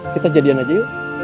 kita jadian aja yuk